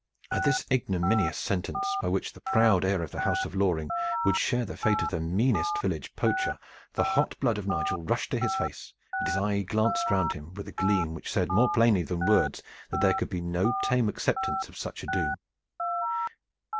At this ignominious sentence by which the proud heir of the house of Loring would share the fate of the meanest village poacher, the hot blood of Nigel rushed to his face, and his eye glanced round him with a gleam which said more plainly than words that there could be no tame acceptance of such a doom.